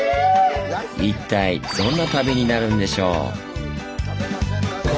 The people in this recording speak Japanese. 一体どんな旅になるんでしょう。